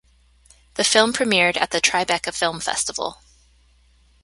The film premiered at the Tribeca Film Festival.